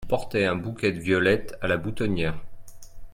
Il portait un bouquet de violettes a la boutonniere.